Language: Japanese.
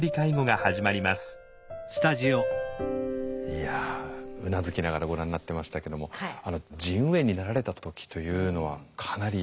いやうなずきながらご覧になってましたけども腎盂炎になられた時というのはかなり。